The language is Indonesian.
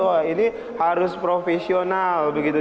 wah ini harus profesional begitu